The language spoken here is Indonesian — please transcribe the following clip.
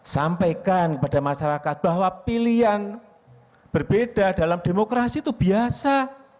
sampaikan kepada masyarakat bahwa pilihan berbeda dalam demokrasi itu biasa